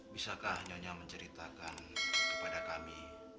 bisakah nyonya menceritakan kepada kami